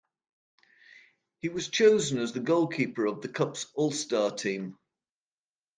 He was chosen as the goalkeeper of the Cup's All-Star Team.